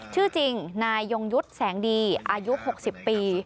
ชื่อจริงนายยงยุทธ์แสงดีอายุ๖๐ปี